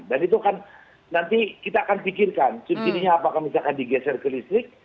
dan itu kan nanti kita akan pikirkan subsidi nya apakah misalkan digeser ke listrik